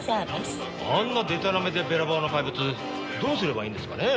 あんなでたらめでべらぼうな怪物どうすればいいんですかね？